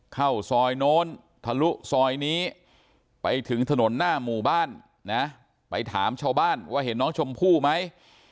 เข้าซอยโน้นทะลุซอยนี้ไปถึงถนนหน้าหมู่บ้านนะไปถามชาวบ้านว่าเห็นน้องชมพู่ไหม